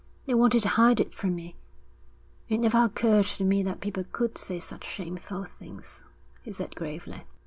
'They wanted to hide it from me.' 'It never occurred to me that people could say such shameful things,' he said gravely.